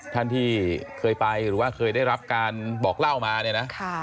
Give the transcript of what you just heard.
ท่านที่เคยไปหรือว่าเคยได้รับการบอกเล่ามาเนี่ยนะ